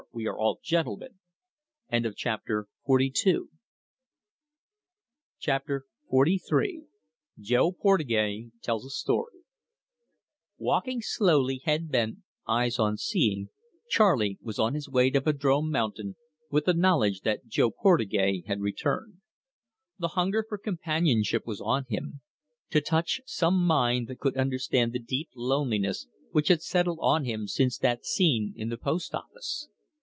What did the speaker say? We are all gentlemen!" CHAPTER XLIII. JO PORTUGAIS TELLS A STORY Walking slowly, head bent, eyes unseeing, Charley was on his way to Vadrome Mountain, with the knowledge that Jo Portugais had returned. The hunger for companionship was on him: to touch some mind that could understand the deep loneliness which had settled on him since that scene in the postoffice.